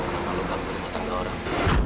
nama lo kan berhutang dengan orang